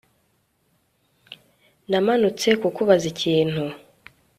Namanutse kukubaza ikintu